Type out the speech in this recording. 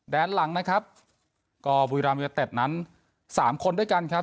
หลังนะครับก็บุรีรามยูเนตเต็ดนั้นสามคนด้วยกันครับ